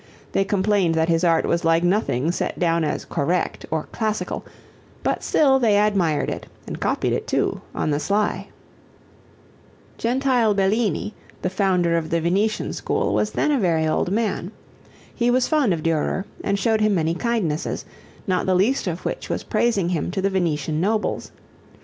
They complained that his art was like nothing set down as "correct" or "classical" but still they admired it and copied it, too, on the sly. [Illustration: DURER IN VENICE Theobald von Oer] Gentile Bellini, the founder of the Venetian School, was then a very old man. He was fond of Durer and showed him many kindnesses, not the least of which was praising him to the Venetian nobles.